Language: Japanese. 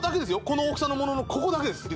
この大きさのもののここだけです